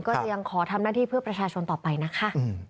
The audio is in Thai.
ก็ยังขอทำหน้าที่เพื่อประชาชนต่อไปนะคะ